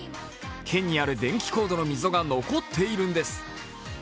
剣にある電気コードの溝が残っているんです。